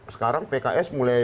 sekarang pks mulai